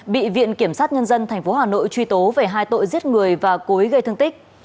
bị viện kiểm sát nhân dân tp hà nội truy tố về hai tội giết người và cố ý gây thương tích